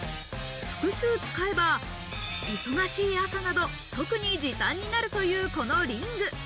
複数使えば忙しい朝など、特に時短になるという、このリング。